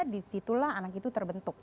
disitulah anak itu terbentuk